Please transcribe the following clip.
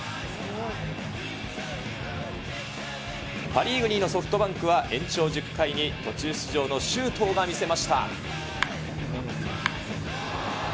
パ・リーグ２位のソフトバンクは、延長１０回に途中出場の周東が見せました。